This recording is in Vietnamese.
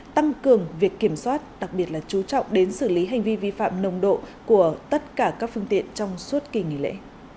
tăng cường việc kiểm soát đặc biệt là chú trọng đến xử lý hành vi vi phạm nồng độ của tất cả các phương tiện trong suốt kỳ nghỉ lễ